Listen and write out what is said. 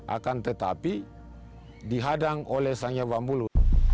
akan tetapi dihadang oleh sangya wambulu